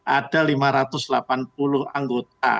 ada lima ratus delapan puluh anggota